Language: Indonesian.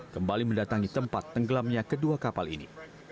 kembali mendatangi tempat tenggelamnya kedua kapal ini